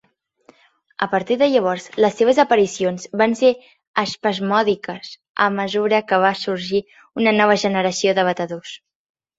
A partir de llavors les seves aparicions van ser espasmòdiques a mesura que va sorgir una nova generació de batedors.